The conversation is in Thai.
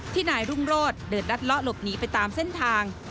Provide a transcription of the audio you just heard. นายรุ่งโรธเดินรัดเลาะหลบหนีไปตามเส้นทาง